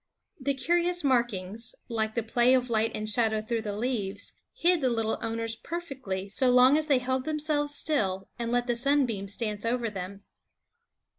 The curious markings, like the play of light and shadow through the leaves, hid the little owners perfectly so long as they held themselves still and let the sunbeams dance over them.